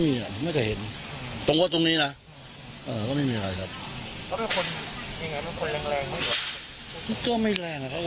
ก็ไม่แรงนะครับ